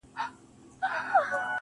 سره رڼا د سُرکو شونډو په کوټه کي